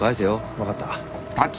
分かった。